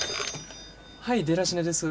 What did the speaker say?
はいデラシネです。